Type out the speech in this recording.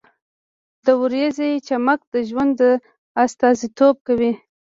• د ورځې چمک د ژوند استازیتوب کوي.